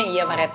iya pak rt